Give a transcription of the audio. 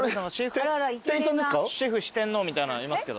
シェフ四天王みたいないますけど。